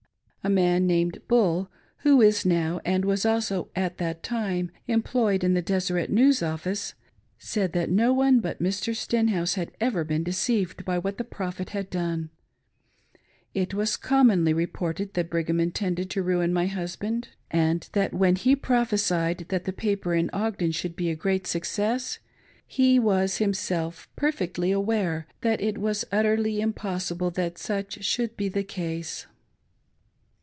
A man, name^i Bull, who is now and was also at that time, employed in the Deseret News office, said that no one but Mr. Stenhouse had ever been deceived by what the Prophet had done — it was commonly re ported that Brigham intended to ruin my husbai)^, and that 34. 560 KNAVE OR FOOL? when he prophesied that the paper in Ogden should be a great success, he was himself perfectly aware that it was utterly im r possible that such should be the case.